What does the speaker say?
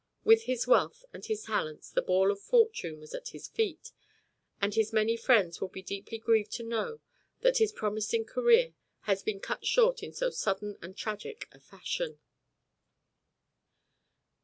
With his wealth and his talents the ball of fortune was at his feet, and his many friends will be deeply grieved to know that his promising career has been cut short in so sudden and tragic a fashion."